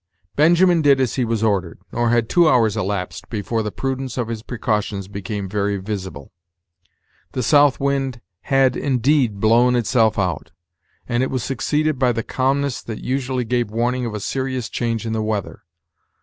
Benjamin did as he was ordered; nor had two hours elapsed, before the prudence of his precautions became very visible. The south wind had, indeed, blown itself out, and it was succeeded by the calmness that usually gave warning of a serious change in the weather.